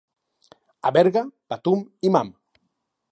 A Berga, patum i mam.